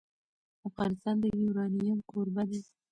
افغانستان د یورانیم کوربه دی.